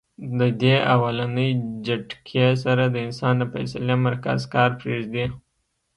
د دې اولنۍ جټکې سره د انسان د فېصلې مرکز کار پرېږدي -